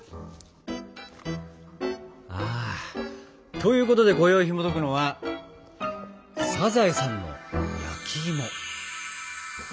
ということでこよいひもとくのは「サザエさんの焼きいも」。